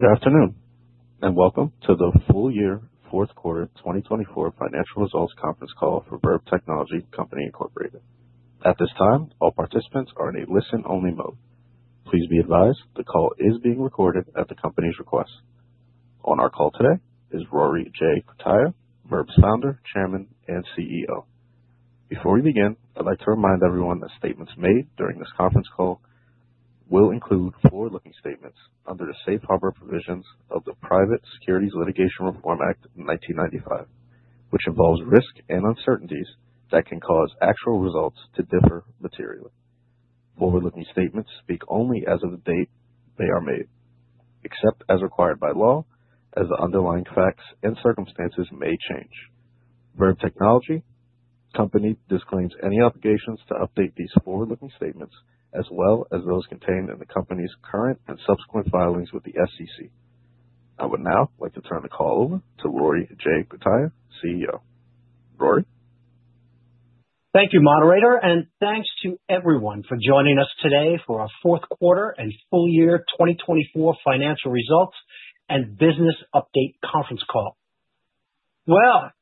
Good afternoon and welcome to the Full Year Fourth Quarter 2024 Financial Results Conference Call for Verb Technology Company, Inc. At this time, all participants are in a listen-only mode. Please be advised the call is being recorded at the company's request. On our call today is Rory J. Cutaia, Verb's Founder, Chairman, and CEO. Before we begin, I'd like to remind everyone that statements made during this conference call will include forward-looking statements under the safe harbor provisions of the Private Securities Litigation Reform Act 1995, which involves risk and uncertainties that can cause actual results to differ materially. Forward-looking statements speak only as of the date they are made, except as required by law, as the underlying facts and circumstances may change. Verb Technology Company disclaims any obligations to update these forward-looking statements, as well as those contained in the company's current and subsequent filings with the SEC. I would now like to turn the call over to Rory J. Cutaia, CEO. Rory? Thank you, moderator, and thanks to everyone for joining us today for our Fourth Quarter and Full Year 2024 Financial Results and Business Update Conference Call.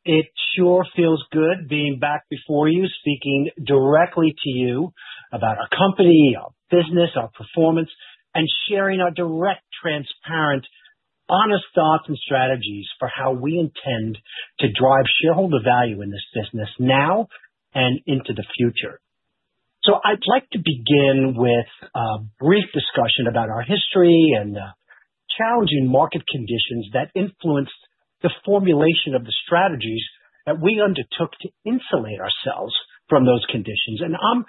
It sure feels good being back before you, speaking directly to you about our company, our business, our performance, and sharing our direct, transparent, honest thoughts and strategies for how we intend to drive shareholder value in this business now and into the future. I would like to begin with a brief discussion about our history and challenging market conditions that influenced the formulation of the strategies that we undertook to insulate ourselves from those conditions. I'm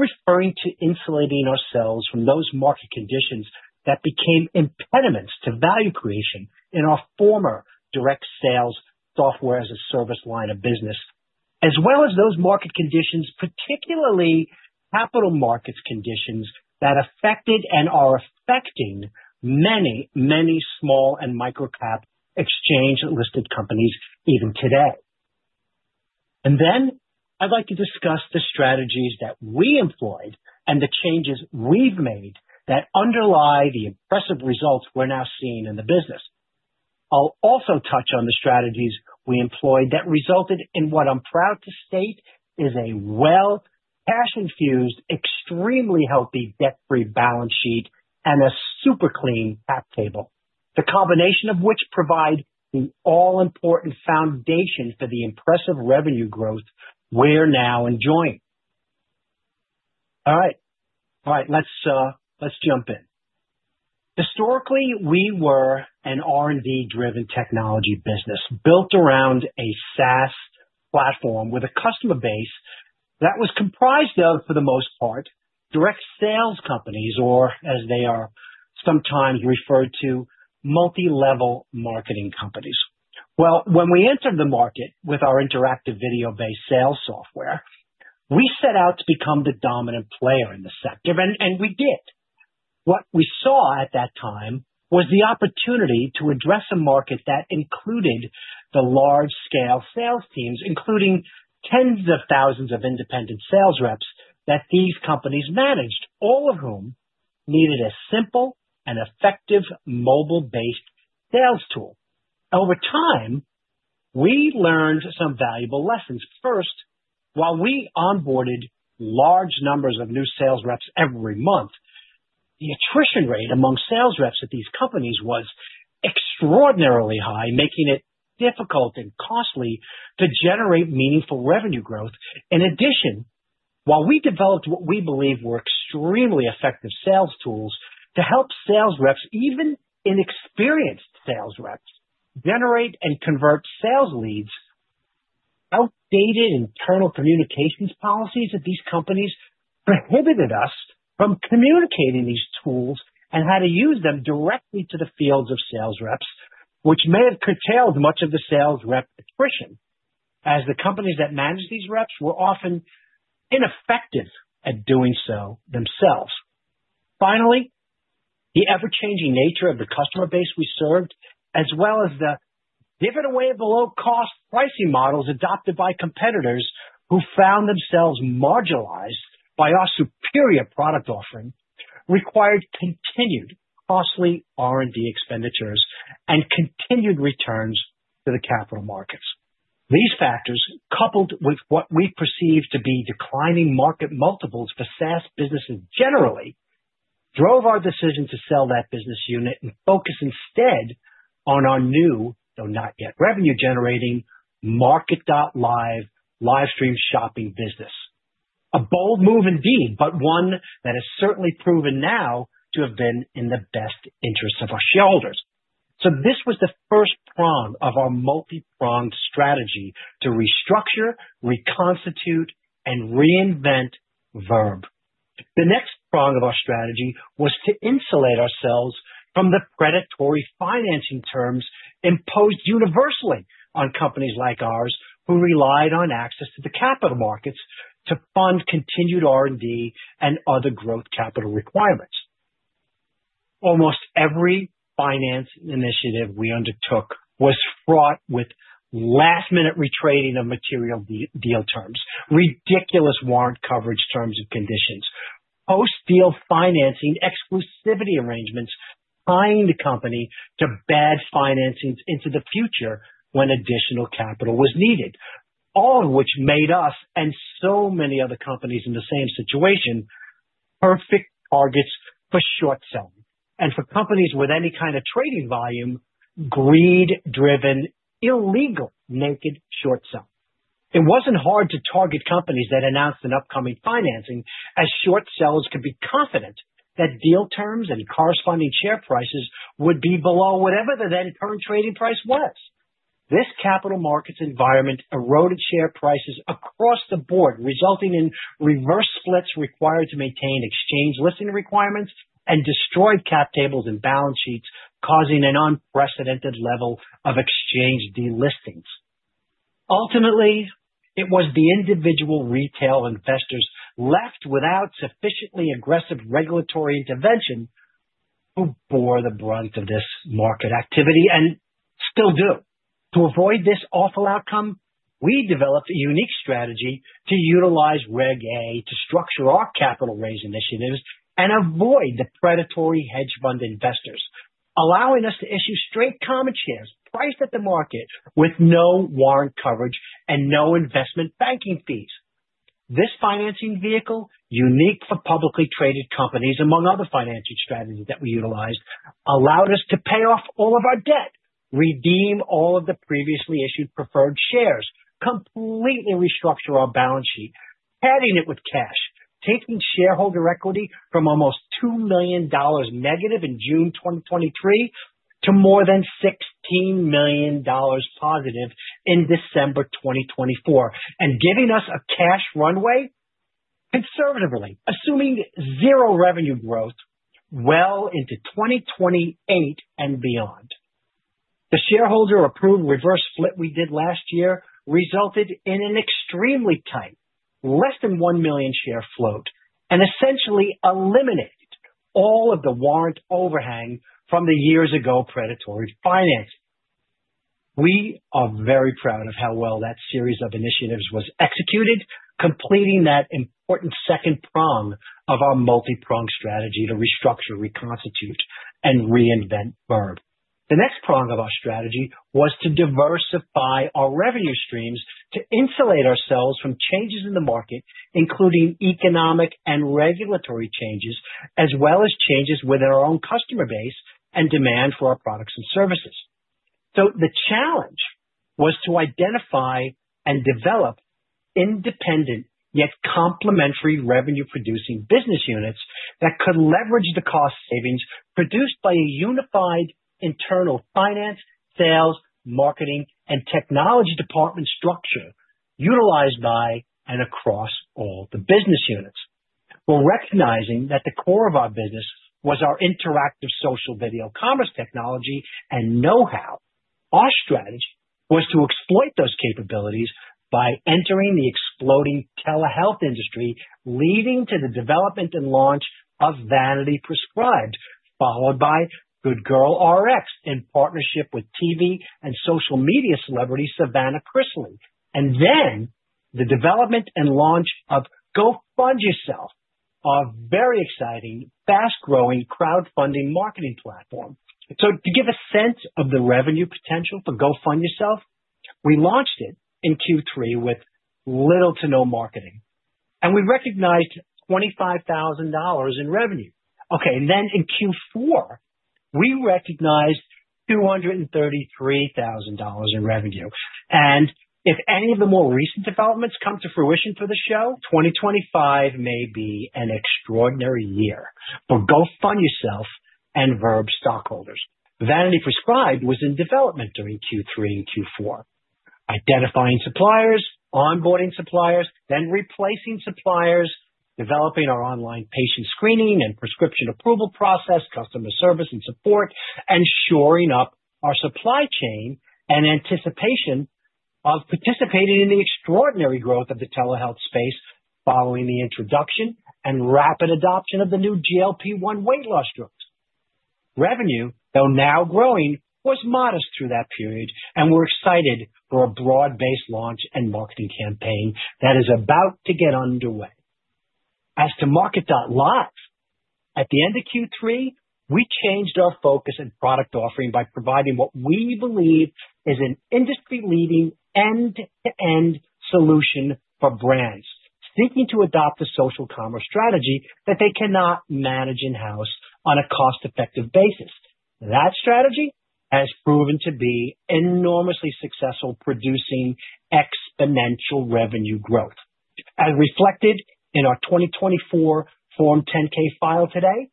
referring to insulating ourselves from those market conditions that became impediments to value creation in our former direct sales software as a service line of business, as well as those market conditions, particularly capital markets conditions that affected and are affecting many, many small and micro-cap exchange-listed companies even today. I would like to discuss the strategies that we employed and the changes we've made that underlie the impressive results we're now seeing in the business. I'll also touch on the strategies we employed that resulted in what I'm proud to state is a well-cash-infused, extremely healthy debt-free balance sheet and a super clean cap table, the combination of which provides the all-important foundation for the impressive revenue growth we're now enjoying. All right. Let's jump in. Historically, we were an R&D-driven technology business built around a SaaS platform with a customer base that was comprised of, for the most part, direct sales companies, or as they are sometimes referred to, multi-level marketing companies. When we entered the market with our interactive video-based sales software, we set out to become the dominant player in the sector, and we did. What we saw at that time was the opportunity to address a market that included the large-scale sales teams, including tens of thousands of independent sales reps that these companies managed, all of whom needed a simple and effective mobile-based sales tool. Over time, we learned some valuable lessons. First, while we onboarded large numbers of new sales reps every month, the attrition rate among sales reps at these companies was extraordinarily high, making it difficult and costly to generate meaningful revenue growth. In addition, while we developed what we believe were extremely effective sales tools to help sales reps, even inexperienced sales reps, generate and convert sales leads, outdated internal communications policies at these companies prohibited us from communicating these tools and how to use them directly to the fields of sales reps, which may have curtailed much of the sales rep attrition, as the companies that managed these reps were often ineffective at doing so themselves. Finally, the ever-changing nature of the customer base we served, as well as the give-it-away below-cost pricing models adopted by competitors who found themselves marginalized by our superior product offering, required continued costly R&D expenditures and continued returns to the capital markets. These factors, coupled with what we perceived to be declining market multiples for SaaS businesses generally, drove our decision to sell that business unit and focus instead on our new, though not yet revenue-generating, MARKET.live livestream shopping business. A bold move indeed, but one that has certainly proven now to have been in the best interests of our shareholders. This was the first prong of our multi-pronged strategy to restructure, reconstitute, and reinvent Verb. The next prong of our strategy was to insulate ourselves from the predatory financing terms imposed universally on companies like ours who relied on access to the capital markets to fund continued R&D and other growth capital requirements. Almost every finance initiative we undertook was fraught with last-minute re-trading of material deal terms, ridiculous warrant coverage terms and conditions, post-deal financing exclusivity arrangements tying the company to bad financings into the future when additional capital was needed, all of which made us and so many other companies in the same situation perfect targets for short selling and for companies with any kind of trading volume, greed-driven, illegal naked short selling. It wasn't hard to target companies that announced an upcoming financing, as short sellers could be confident that deal terms and corresponding share prices would be below whatever the then current trading price was. This capital markets environment eroded share prices across the board, resulting in reverse splits required to maintain exchange-listing requirements and destroyed cap tables and balance sheets, causing an unprecedented level of exchange delistings. Ultimately, it was the individual retail investors left without sufficiently aggressive regulatory intervention who bore the brunt of this market activity and still do. To avoid this awful outcome, we developed a unique strategy to utilize Reg A to structure our capital raise initiatives and avoid the predatory hedge fund investors, allowing us to issue straight common shares priced at the market with no warrant coverage and no investment banking fees. This financing vehicle, unique for publicly traded companies, among other financing strategies that we utilized, allowed us to pay off all of our debt, redeem all of the previously issued preferred shares, completely restructure our balance sheet, padding it with cash, taking shareholder equity from almost $2 million negative in June 2023 to more than $16 million positive in December 2024, and giving us a cash runway conservatively, assuming zero revenue growth well into 2028 and beyond. The shareholder-approved reverse split we did last year resulted in an extremely tight, less than 1 million share float, and essentially eliminated all of the warrant overhang from the years ago predatory financing. We are very proud of how well that series of initiatives was executed, completing that important second prong of our multi-pronged strategy to restructure, reconstitute, and reinvent Verb. The next prong of our strategy was to diversify our revenue streams to insulate ourselves from changes in the market, including economic and regulatory changes, as well as changes within our own customer base and demand for our products and services. The challenge was to identify and develop independent yet complementary revenue-producing business units that could leverage the cost savings produced by a unified internal finance, sales, marketing, and technology department structure utilized by and across all the business units. Recognizing that the core of our business was our interactive social video commerce technology and know-how, our strategy was to exploit those capabilities by entering the exploding telehealth industry, leading to the development and launch of Vanity Prescribed, followed by GoodGirlRx in partnership with TV and social media celebrity Savannah Chrisley, and then the development and launch of Go Fund Yourself, our very exciting, fast-growing crowdfunding marketing platform. To give a sense of the revenue potential for Go Fund Yourself, we launched it in Q3 with little to no marketing, and we recognized $25,000 in revenue. Okay. In Q4, we recognized $233,000 in revenue. If any of the more recent developments come to fruition for the show, 2025 may be an extraordinary year for Go Fund Yourself and Verb stockholders. Vanity Prescribed was in development during Q3 and Q4, identifying suppliers, onboarding suppliers, then replacing suppliers, developing our online patient screening and prescription approval process, customer service and support, and shoring up our supply chain in anticipation of participating in the extraordinary growth of the telehealth space following the introduction and rapid adoption of the new GLP-1 weight loss drugs. Revenue, though now growing, was modest through that period, and we're excited for a broad-based launch and marketing campaign that is about to get underway. As to MARKET.live, at the end of Q3, we changed our focus and product offering by providing what we believe is an industry-leading end-to-end solution for brands seeking to adopt a social commerce strategy that they cannot manage in-house on a cost-effective basis. That strategy has proven to be enormously successful, producing exponential revenue growth, as reflected in our 2024 Form 10-K filed today.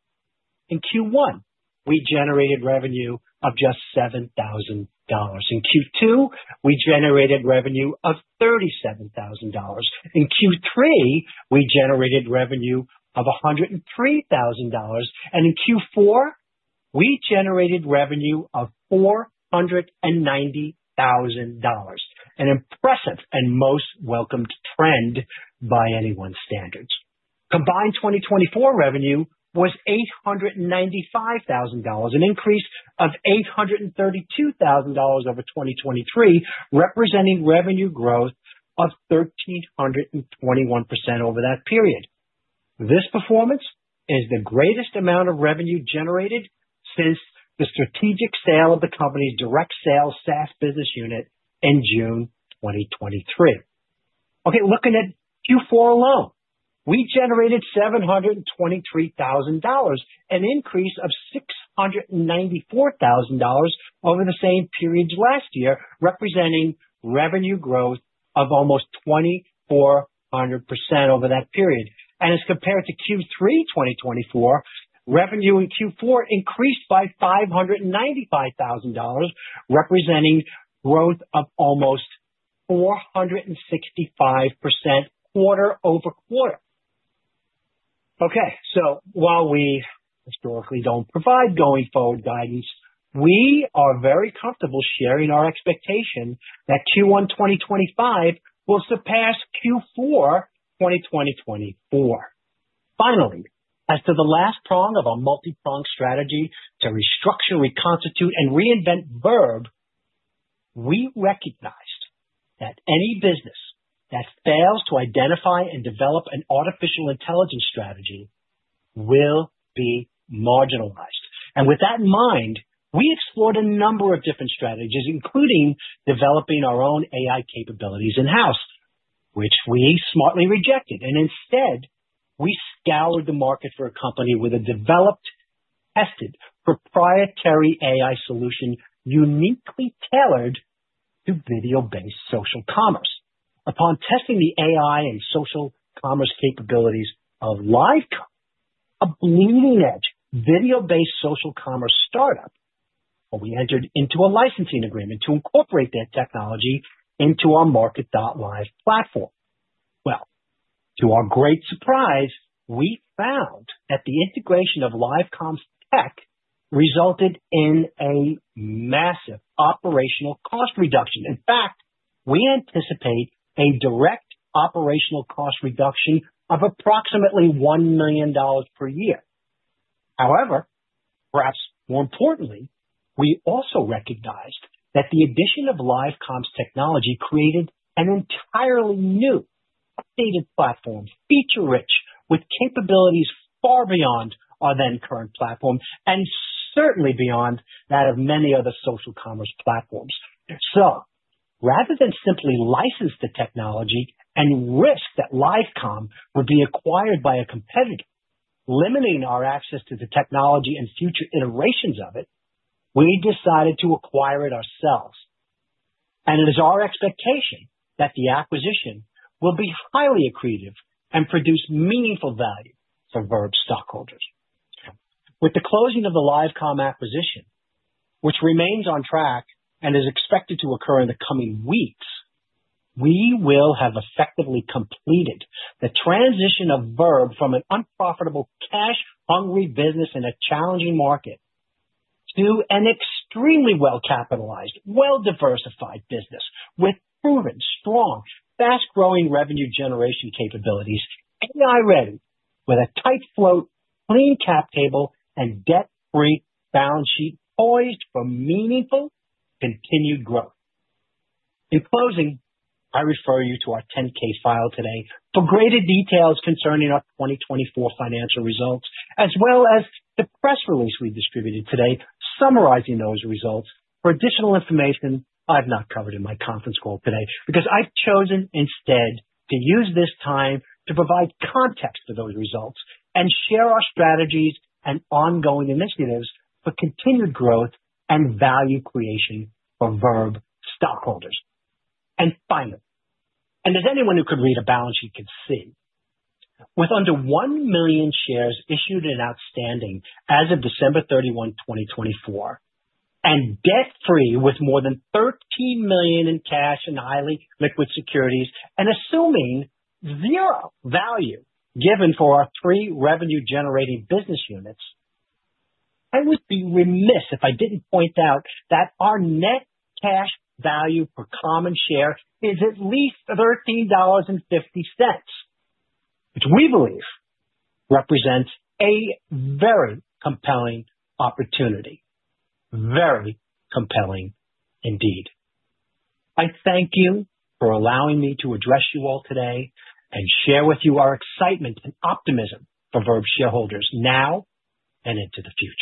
In Q1, we generated revenue of just $7,000. In Q2, we generated revenue of $37,000. In Q3, we generated revenue of $103,000. In Q4, we generated revenue of $490,000, an impressive and most welcomed trend by anyone's standards. Combined 2024 revenue was $895,000, an increase of $832,000 over 2023, representing revenue growth of 1,321% over that period. This performance is the greatest amount of revenue generated since the strategic sale of the company's direct sales SaaS business unit in June 2023. Okay. Looking at Q4 alone, we generated $723,000, an increase of $694,000 over the same period last year, representing revenue growth of almost 2,400% over that period. As compared to Q3 2024, revenue in Q4 increased by $595,000, representing growth of almost 465% quarter-over-quarter. Okay. While we historically do not provide going-forward guidance, we are very comfortable sharing our expectation that Q1 2025 will surpass Q4 2024. Finally, as to the last prong of our multi-pronged strategy to restructure, reconstitute, and reinvent Verb, we recognized that any business that fails to identify and develop an artificial intelligence strategy will be marginalized. With that in mind, we explored a number of different strategies, including developing our own AI capabilities in-house, which we smartly rejected. Instead, we scoured the market for a company with a developed, tested, proprietary AI solution uniquely tailored to video-based social commerce. Upon testing the AI and social commerce capabilities of LyveCom, a bleeding-edge video-based social commerce startup, we entered into a licensing agreement to incorporate that technology into our MARKET.live platform. To our great surprise, we found that the integration of LyveCom's tech resulted in a massive operational cost reduction. In fact, we anticipate a direct operational cost reduction of approximately $1 million per year. However, perhaps more importantly, we also recognized that the addition of LyveCom's technology created an entirely new, updated platform, feature-rich, with capabilities far beyond our then current platform and certainly beyond that of many other social commerce platforms. Rather than simply license the technology and risk that LyveCom would be acquired by a competitor, limiting our access to the technology and future iterations of it, we decided to acquire it ourselves. It is our expectation that the acquisition will be highly accretive and produce meaningful value for Verb stockholders. With the closing of the LyveCom acquisition, which remains on track and is expected to occur in the coming weeks, we will have effectively completed the transition of Verb from an unprofitable, cash-hungry business in a challenging market to an extremely well-capitalized, well-diversified business with proven, strong, fast-growing revenue generation capabilities, AI-ready, with a tight float, clean cap table, and debt-free balance sheet poised for meaningful continued growth. In closing, I refer you to our 10-K filed today for greater details concerning our 2024 financial results, as well as the press release we distributed today summarizing those results. For additional information I have not covered in my conference call today, because I have chosen instead to use this time to provide context to those results and share our strategies and ongoing initiatives for continued growth and value creation for Verb stockholders. Finally, as anyone who could read a balance sheet could see, with under 1 million shares issued and outstanding as of December 31, 2024, and debt-free with more than $13 million in cash and highly liquid securities, and assuming zero value given for our three revenue-generating business units, I would be remiss if I did not point out that our net cash value per common share is at least $13.50, which we believe represents a very compelling opportunity. Very compelling indeed. I thank you for allowing me to address you all today and share with you our excitement and optimism for Verb shareholders now and into the future.